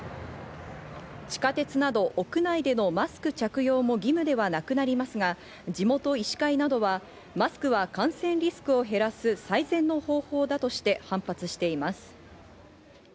地下鉄など屋内でのマスク着用も義務ではなくなりますが、地元医師会などはマスクは感染リスクを減らす最善の方法だとして反発しています。